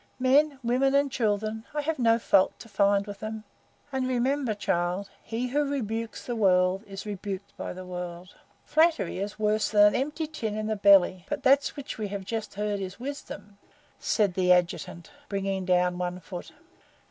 Men, women, and children I have no fault to find with them. And remember, child, he who rebukes the World is rebuked by the World." "Flattery is worse than an empty tin can in the belly. But that which we have just heard is wisdom," said the Adjutant, bringing down one foot.